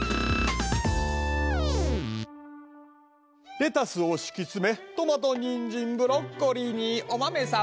レタスを敷き詰めトマトニンジンブロッコリーにお豆さん